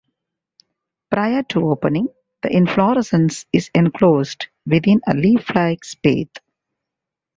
Prior to opening, the inflorescence is enclosed within a leaf-like spathe.